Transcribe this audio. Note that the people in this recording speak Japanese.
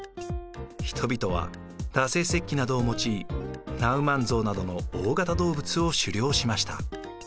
人々は打製石器などを用いナウマンゾウなどの大型動物を狩猟しました。